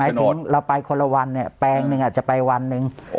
ถึงเราไปคนละวันเนี่ยแปลงหนึ่งอาจจะไปวันหนึ่ง